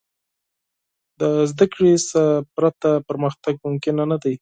د زدهکړې څخه پرته، پرمختګ ممکن نه دی.